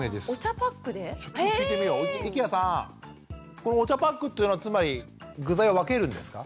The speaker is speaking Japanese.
このお茶パックっていうのはつまり具材を分けるんですか？